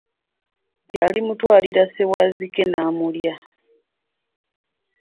Nti alimutwaLira Ssewazzike namulya.